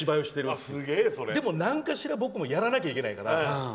でも、僕らもなんかやらなきゃいけないから。